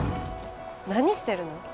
何してるの？